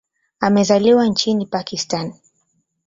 Amezaliwa nchini Pakistan.